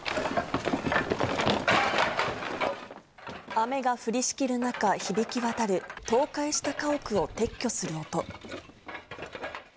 雨が降りしきる中、響き渡る倒壊した家屋を撤去する音。